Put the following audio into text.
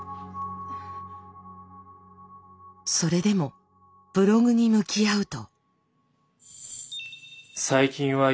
それでもブログに向き合うと。